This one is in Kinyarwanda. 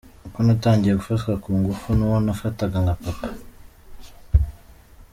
Uko natangiye gufatwa ku ngufu n’uwo nafataga nka papa.